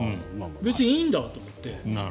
別にいいんだと思って。